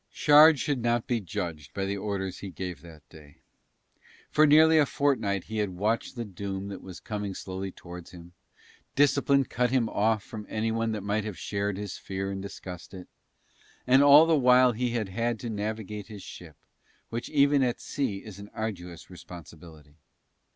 Shard should not be judged by the orders he gave that day, for nearly a fortnight he had watched the doom that was coming slowly towards him, discipline cut him off from anyone that might have shared his fear and discussed it, and all the while he had had to navigate his ship, which even at sea is an arduous responsibility.